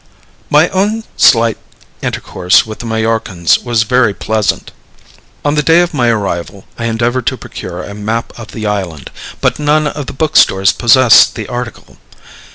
My own slight intercourse with the Majorcans was very pleasant. On the day of my arrival, I endeavored to procure a map of the island, but none of the bookstores possessed the article.